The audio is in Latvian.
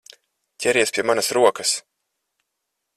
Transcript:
Ķeries pie manas rokas!